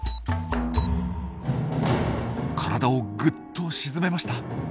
体をぐっと沈めました。